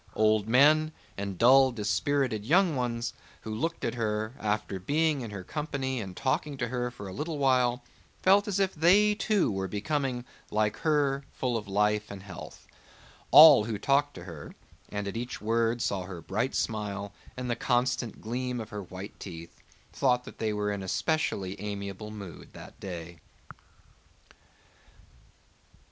Old men and dull dispirited young ones who looked at her, after being in her company and talking to her a little while, felt as if they too were becoming, like her, full of life and health. All who talked to her, and at each word saw her bright smile and the constant gleam of her white teeth, thought that they were in a specially amiable mood that day.